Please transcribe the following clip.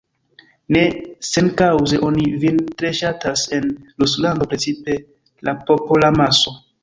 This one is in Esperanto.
Ne senkaŭze oni vin tre ŝatas en Ruslando, precipe la popolamaso.